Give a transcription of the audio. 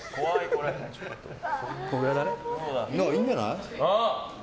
いいんじゃない。